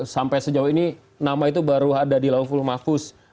sampai sejauh ini nama itu baru ada di lauful mafus